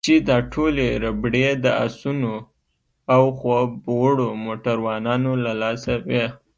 چې دا ټولې ربړې د اسونو او خوب وړو موټروانانو له لاسه وې.